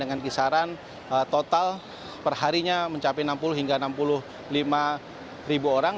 dengan kisaran total perharinya mencapai enam puluh hingga enam puluh lima ribu orang